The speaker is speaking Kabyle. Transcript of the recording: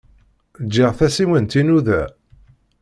Ǧǧiɣ tasiwant-inu da?